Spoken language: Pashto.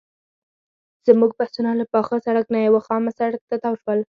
زموږ بسونه له پاخه سړک نه یوه خامه سړک ته تاو شول.